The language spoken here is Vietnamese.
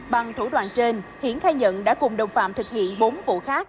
bằng thủ đoạn trên hiển khai nhận đã cùng đồng phạm thực hiện bốn vụ khác